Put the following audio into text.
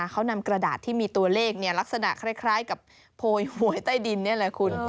เขานำกระดาษที่มีตัวเลขลักษณะคล้ายกับโพยหวยใต้ดินนี่แหละคุณ